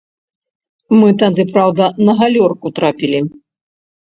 Мы тады, праўда, на галёрку трапілі.